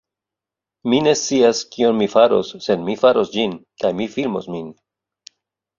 Mi ne scias kion mi faros, sed mi faros ĝin, kaj mi filmos min.